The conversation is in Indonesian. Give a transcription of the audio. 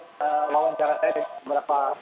ada beberapa orang disurigai meletakkan bensin